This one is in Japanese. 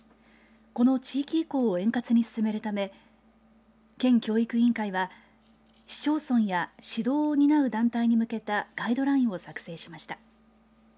この地域移行を円滑に進めるため県教育委員会は市町村や指導を担う団体に向けたガイドラインを作成しました。